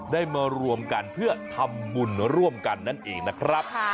ได้มารวมกันเพื่อทำบุญร่วมกันนั่นเองนะครับ